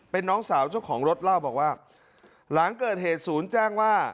เป็นน้องสาวเจ้าของรถเล่าบอกว่าหลังเกิดเหตุศูนย์แจ้งว่า